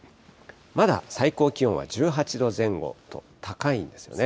まだ最高気温は１８度前後と高いですよね。